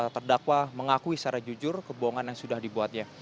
terdakwa mengakui secara jujur kebohongan yang sudah dibuatnya